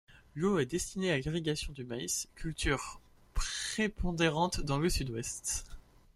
L'eau est destinée à l'irrigation du maïs, culture prépondérante dans le Sud-Ouest.